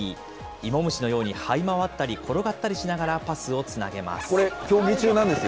イモムシのようにはい回ったり、転がったりしながら、パスをつなげたりします。